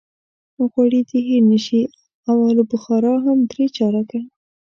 غوړي دې هېر نه شي او الوبخارا هم درې چارکه.